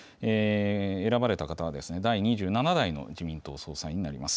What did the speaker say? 選ばれた方は、第２７代の自民党総裁になります。